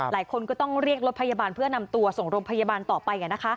หลายคนก็ต้องเรียกรถพยาบาลเพื่อนำตัวส่งโรงพยาบาลต่อไป